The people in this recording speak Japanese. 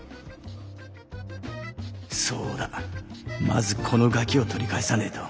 まずこのガキを取り返さねえと。